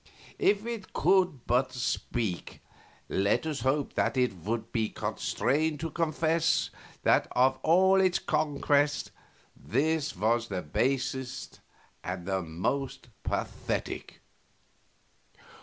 If it could but speak, let us hope that it would be constrained to confess that of all its conquests this was the basest and the most pathetic."